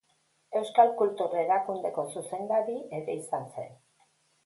Euskal Kultur Erakundeko zuzendari ere izan zen.